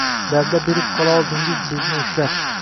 Dalda berib qololdingiz bizni ushlab